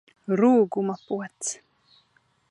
Rūguma pods!